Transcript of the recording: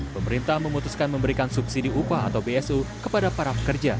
pemerintah memutuskan memberikan subsidi upah atau bsu kepada para pekerja